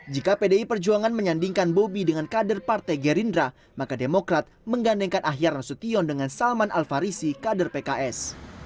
jika pdi perjuangan menyandingkan bobi dengan kader partai gerindra maka demokrat menggandengkan ahyar nasution dengan salman al farisi kader pks